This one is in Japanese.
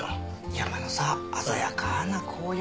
山のさ鮮やかな紅葉。